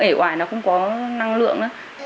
ể hoài nó cũng có năng lượng